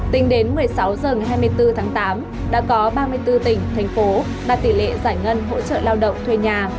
tính đến một mươi sáu h ngày hai mươi bốn tháng tám đã có ba mươi bốn tỉnh thành phố đạt tỷ lệ giải ngân hỗ trợ lao động thuê nhà